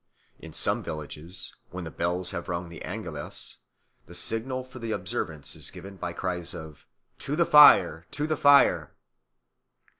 In some villages, when the bells have rung the Angelus, the signal for the observance is given by cries of, "To the fire! to the fire!"